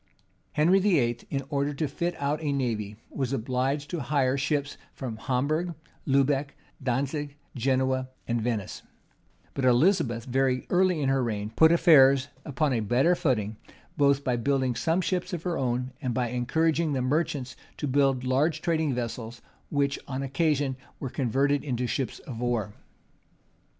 [*] Henry VIII., in order to fit out a navy, was obliged to hire ships from Hamburgh, Lubec, Dantzic, Genoa, and Venice, but Elizabeth, very early in her reign, put affairs upon a better footing; both by building some ships of her own, and by encouraging the merchants to build large trading vessels which, on occasion, were converted into ships of war.